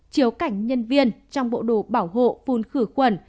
chiếu cảnh nhân viên trong bộ đồ bảo hộ phun khử khuẩn